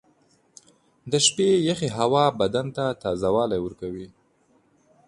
• د شپې یخې هوا بدن ته تازهوالی ورکوي.